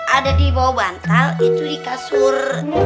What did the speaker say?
ada di bawah bantal itu di kasur